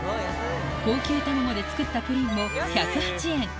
高級卵で作ったプリンも１０８円